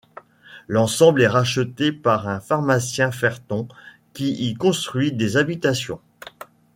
L'ensemble est racheté par un pharmacien ferton qui y construit des habitations.